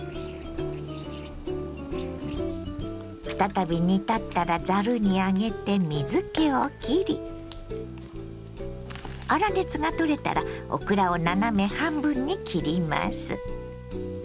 再び煮立ったらざるに上げて水けをきり粗熱が取れたらオクラを斜め半分に切ります。